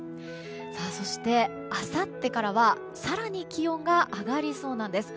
そして、あさってからは更に気温が上がりそうなんです。